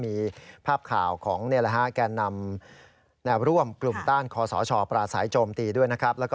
มีภาพข่าวของแก่นำแนวร่วมกลุ่มต้านคอสชปราศัยโจมตีด้วยนะครับ